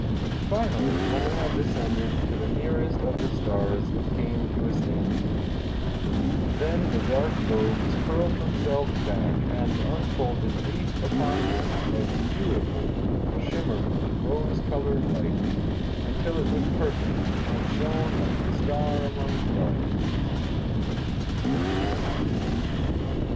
Finally, when it had descended to the nearest of the stars, it came to a standstill. Then the dark lobes curled themselves back and unfolded leaf upon leaf of beautiful, shimmering, rose colored light, until it was perfect, and shone like a star among stars.